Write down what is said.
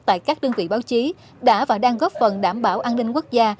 tại các đơn vị báo chí đã và đang góp phần đảm bảo an ninh quốc gia